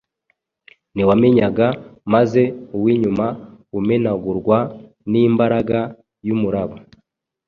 ntiwanyeganyega; maze uw’inyuma umenagurwa n’imbaraga y’umuraba